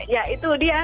ya itu dia